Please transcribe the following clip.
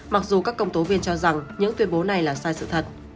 mặc dù các công tố viên cho rằng những tuyên bố này là sai sự thật